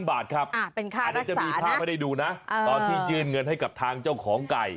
เป็นค่านักศึกษานะอาจจะมีภาพให้ดูนะตอนที่ยืนเงินให้กับทางเจ้าของไก่